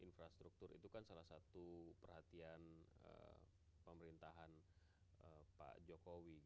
infrastruktur itu kan salah satu perhatian pemerintahan pak jokowi